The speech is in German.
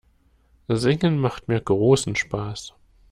Singen macht mir großen Spaß.